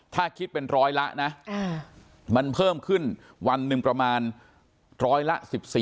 ถ้าคิดเป็นร้อยละนะมันเพิ่มขึ้นวันหนึ่งประมาณร้อยละ๑๔